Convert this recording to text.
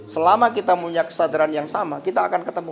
selama kita punya kesadaran yang sama kita akan ketemu